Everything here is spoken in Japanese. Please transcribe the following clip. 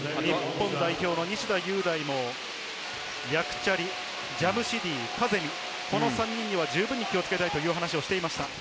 日本代表の西田優大も、ヤクチャリ、ジャムシディ、この３人は十分に気をつけたいと話していました。